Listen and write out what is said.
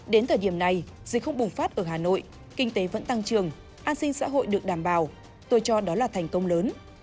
đến thời điểm này dịch không bùng phát ở hà nội kinh tế vẫn tăng trường an sinh xã hội được đảm bảo tôi cho đó là thành công lớn